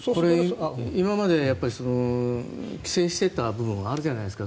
今まで規制していた部分あるじゃないですか。